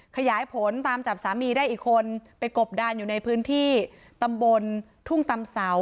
ขยายผลตามจับสามีได้อีกคนไปกบดานอยู่ในพื้นที่ตำบลทุ่งตำเสา